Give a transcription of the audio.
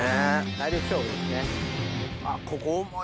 体力勝負ですね。